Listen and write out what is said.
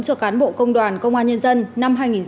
cho cán bộ công đoàn công an nhân dân